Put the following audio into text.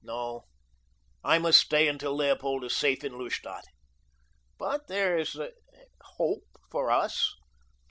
No, I must stay until Leopold is safe in Lustadt. But there is a hope for us.